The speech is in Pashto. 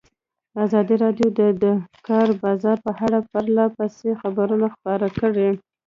ازادي راډیو د د کار بازار په اړه پرله پسې خبرونه خپاره کړي.